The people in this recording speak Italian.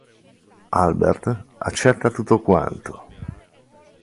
Albert accetta tutto quanto.